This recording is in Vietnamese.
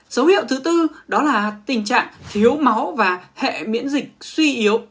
dấu hiệu thứ tư đó là tình trạng thiếu máu và hệ miễn dịch suy yếu